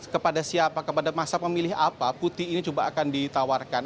kepada siapa kepada masa pemilih apa putih ini coba akan ditawarkan